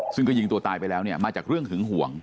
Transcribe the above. ซึ่งก็ยิงตัวตายไปแล้วเนี่ยมาจากเรื่องหึงห่วง